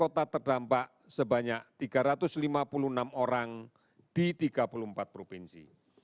kota terdampak sebanyak tiga ratus lima puluh enam orang di tiga puluh empat provinsi